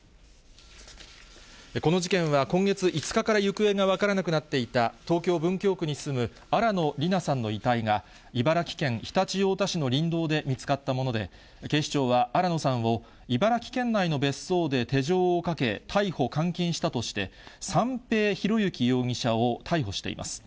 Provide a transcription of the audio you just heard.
この事件は、今月５日から行方が分からなくなっていた、東京・文京区に住む新野りなさんの遺体が、茨城県常陸太田市の林道で見つかったもので、警視庁は新野さんを茨城県内の別荘で手錠をかけ、逮捕・監禁したとして、三瓶博幸容疑者を逮捕しています。